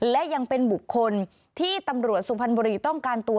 และยังเป็นบุคคลที่ตำรวจสุพรรณบุรีต้องการตัว